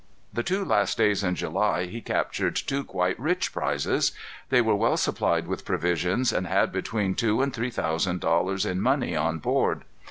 The two last days in July he captured two quite rich prizes. They were well supplied with provisions, and had between two and three thousand dollars in money on board.